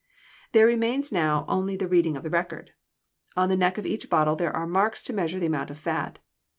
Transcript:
There remains now only the reading of the record. On the neck of each bottle there are marks to measure the amount of fat.